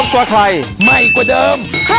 ก็ได้ก็ได้